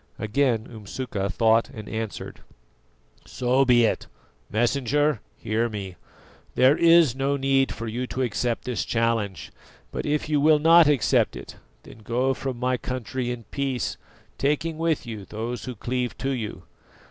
Again Umsuka thought and answered: "So be it. Messenger, hear me. There is no need for you to accept this challenge; but if you will not accept it, then go from my country in peace, taking with you those who cleave to you.